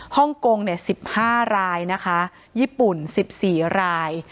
ฮ่องกง๑๕รายนะคะญี่ปุ่น๑๔ราย